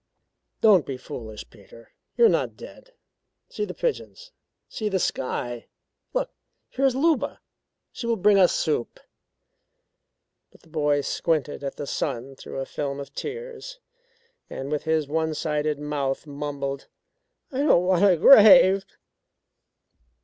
"Don't be foolish, Peter. You're not dead. See the pigeons; see the sky. Look, here is Luba she will bring us soup." But the boy squinted at the sun through a film of tears and with his one sided mouth mumbled: "I don't want a grave."